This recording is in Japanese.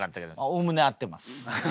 おおむね合ってます。